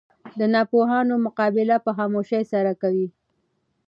د ناپوهانو مقابله په خاموشي سره کوئ!